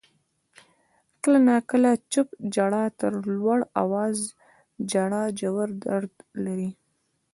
• کله ناکله چپ ژړا تر لوړ آوازه ژړا ژور درد لري.